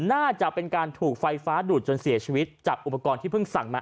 น่าจะเป็นการถูกไฟฟ้าดูดจนเสียชีวิตจากอุปกรณ์ที่เพิ่งสั่งมา